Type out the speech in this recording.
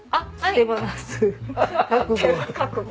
覚悟。